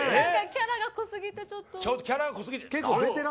キャラが濃すぎてちょっと。